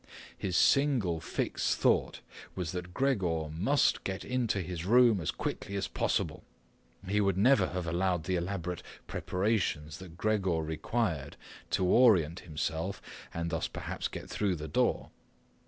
His single fixed thought was that Gregor must get into his room as quickly as possible. He would never have allowed the elaborate preparations that Gregor required to orient himself and thus perhaps get through the door.